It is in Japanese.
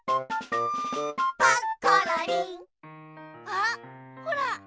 あっほら！